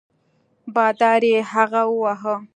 بادار یې هغه وواهه.